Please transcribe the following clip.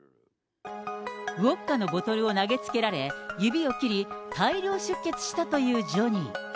ウォッカのボトルを投げつけられ、指を切り、大量出血したというジョニー。